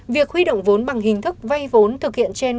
việc huy động vốn bằng hình thức vay vốn thực hiện trên